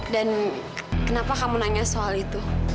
dan kenapa kamu nanya soal itu